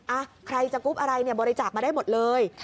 อ่ะใครจะกรุ๊ปอะไรเนี่ยบริจาคมาได้หมดเลย